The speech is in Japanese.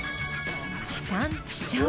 地産地消。